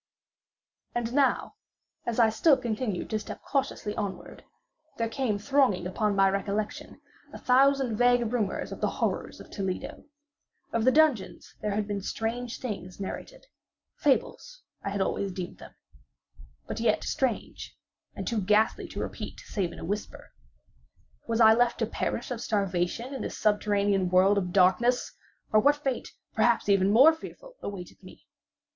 And now, as I still continued to step cautiously onward, there came thronging upon my recollection a thousand vague rumors of the horrors of Toledo. Of the dungeons there had been strange things narrated—fables I had always deemed them—but yet strange, and too ghastly to repeat, save in a whisper. Was I left to perish of starvation in this subterranean world of darkness; or what fate, perhaps even more fearful, awaited me?